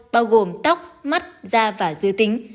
bao gồm tóc mắt da và dư tính